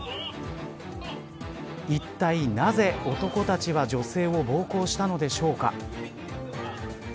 いったい、なぜ男たちは女性を暴行したのでしょうか。